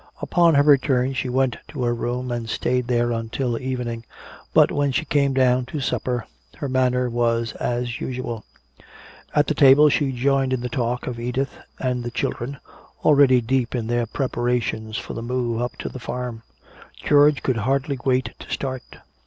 Upon her return she went to her room and stayed there until evening, but when she came down to supper her manner was as usual. At the table she joined in the talk of Edith and the children, already deep in their preparations for the move up to the farm. George could hardly wait to start.